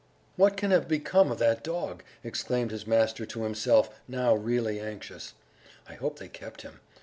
"What can have become of that dog?" exclaimed his master to himself, now really anxious; "I hope they kept him